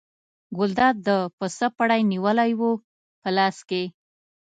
ګلداد د پسه پړی نیولی و په لاس کې.